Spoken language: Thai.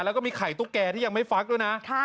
แล้วก็มีไข่ตุ๊กแก่ที่ยังไม่ฟักด้วยนะ